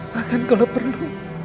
bahkan kalau perlu